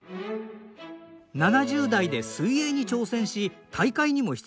７０代で水泳に挑戦し大会にも出場。